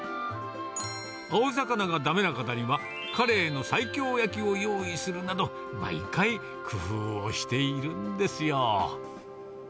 青魚がだめな方には、カレイの西京焼きを用意するなど、毎回、工夫をしているんですよ。